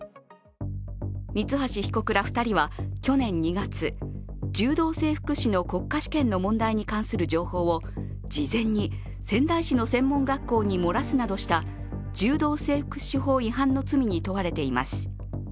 三橋被告ら２人は、去年２月柔道整復師の国家試験の問題に関する情報を、事前に仙台市の専門学校に漏らすなどした柔道整復師法違反の罪に問われています。